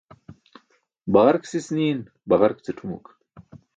Baġark sis niin baġark ce tʰumuk.